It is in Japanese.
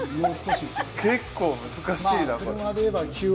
結構難しいなこれ。